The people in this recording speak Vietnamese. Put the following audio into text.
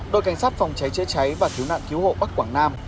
đội cảnh sát phòng cháy chế cháy và thiếu nạn cứu hộ bắc quảng nam